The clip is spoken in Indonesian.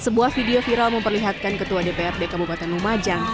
sebuah video viral memperlihatkan ketua dprd kabupaten lumajang